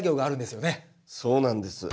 そうなんです。